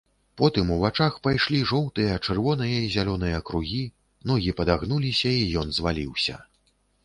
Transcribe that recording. Потым у вачах пайшлі жоўтыя, чырвоныя і зялёныя кругі, ногі падагнуліся, і ён зваліўся.